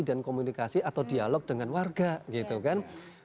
dan komunikasi atau dialog dengan warga gitu kan